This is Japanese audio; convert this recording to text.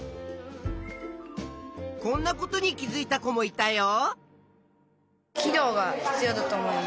こんなことに気づいた子もいたよ。